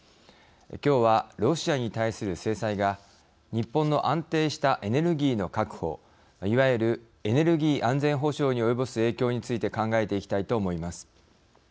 今日はロシアに対する制裁が日本の安定したエネルギーの確保いわゆるエネルギー安全保障に及ぼす影響について考えていきたいと思います。